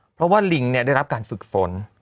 เพราะว่าลิงได้รับการฝึกฝน